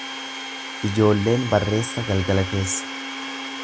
Ijoolleen barreessa galgala keessa.